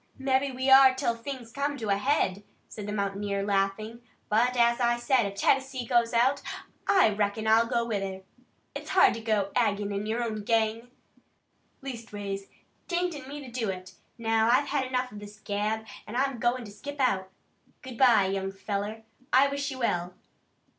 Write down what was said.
"Mebbe we are 'til things come to a head," said the mountaineer, laughing, "but, as I said, if Tennessee goes out, I reckon I'll go with her. It's hard to go ag'in your own gang. Leastways, 't ain't in me to do it. Now I've had enough of this gab, an' I'm goin' to skip out. Good bye, young feller. I wish you well."